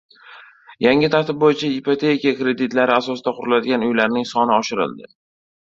Yangi tartib bo‘yicha ipoteka kreditlari asosida quriladigan uylarning soni oshirildi